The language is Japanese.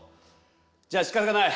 じゃあしかたがない。